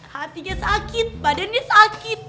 hatinya sakit badannya sakit